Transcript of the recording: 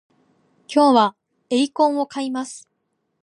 今日はエイコンを買います